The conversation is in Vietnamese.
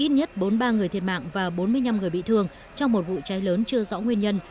ít nhất bốn mươi ba người thiệt mạng và bốn mươi năm người bị thương trong một vụ cháy lớn chưa rõ nguyên nhân